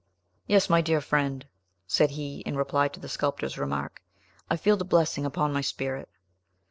"Yes, my dear friend," said he, in reply to the sculptor's remark, "I feel the blessing upon my spirit."